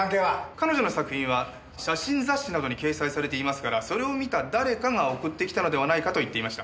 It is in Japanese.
彼女の作品は写真雑誌などに掲載されていますからそれを見た誰かが送ってきたのではないかと言っていました。